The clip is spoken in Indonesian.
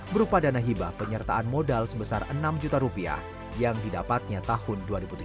berupa dana hibah penyertaan modal sebesar enam juta rupiah yang didapatnya tahun dua ribu tujuh belas